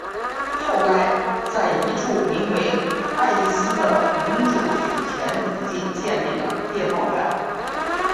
后来在一处名为爱丽斯的永久水泉附近建立了电报站。